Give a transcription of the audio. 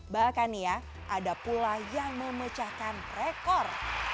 bahkan nih ya ada pula yang memecahkan rekor